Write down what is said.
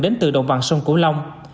đến từ đồng bằng sông cổ long